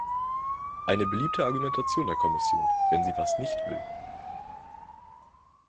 Eine beliebte Argumentation der Kommission, wenn sie was nicht will!